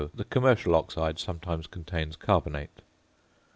The commercial oxide sometimes contains carbonate.